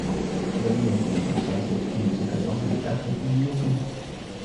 الذين يقيمون الصلاة ويؤتون الزكاة وهم بالآخرة هم يوقنون